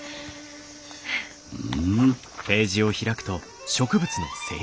うん？